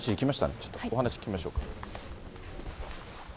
ちょっとお話聞きましょうか。